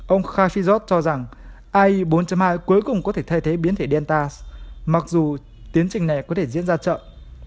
ông khafizot cho rằng ai bốn trăm linh hai cuối cùng có thể thay thế biến thể delta mặc dù tiến trình này có thể diễn ra chậm